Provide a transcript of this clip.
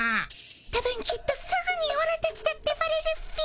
たぶんきっとすぐにオラたちだってバレるっピ。